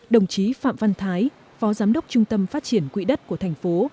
đồng chí phạm văn thái phó giám đốc trung tâm phát triển quỹ đất của thành phố